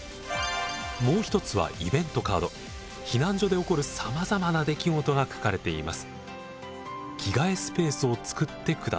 もう一つは避難所で起こるさまざまな出来事が書かれています。